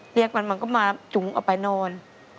เรียกมันมันก็มาจุงออกไปนอน